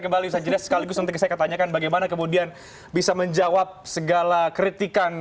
kembali saja sekaligus untuk saya tanyakan bagaimana kemudian bisa menjawab segala kritikan